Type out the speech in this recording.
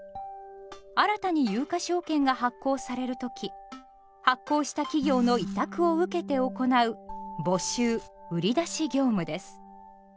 新たに有価証券が発行される時発行した企業の委託を受けて行う募集・売り出し業務です。